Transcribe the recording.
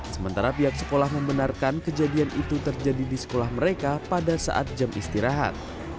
sementara pihak sekolah membenarkan kejadian itu terjadi di sekolah mereka pada saat jam istirahat